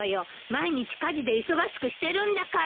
毎日家事で忙しくしてるんだから。